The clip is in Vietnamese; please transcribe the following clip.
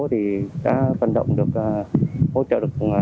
đã phân động được hỗ trợ được